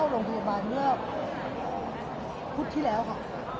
โรงพยาบาลเมื่อพุธที่แล้วค่ะ